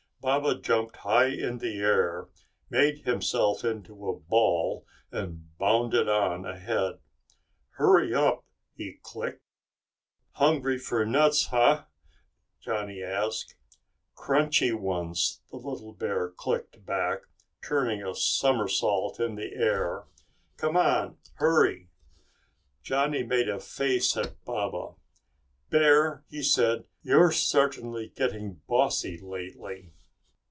Baba jumped high in the air, made himself into a ball and bounded on ahead. "Hurry up!" he clicked. "Hungry for nuts, eh?" Johnny asked. "Crunchy ones," the little bear clicked back, turning a somersault in the air. "Come on, hurry!" Johnny made a face at Baba. "Bear," he said, "you're certainly getting bossy lately."